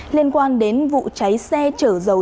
liên quan đến vụ cháy xe chở dầu trên đường